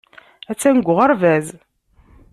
Attan deg uɣerbaz.